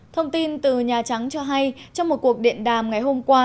thông tin từ nhà trắng cho hay trong một cuộc điện đàm ngày hôm qua